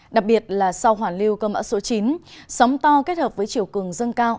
đặc biệt là sau hoàn lưu cơ mỡ số chín sóng to kết hợp với chiều cường dâng cao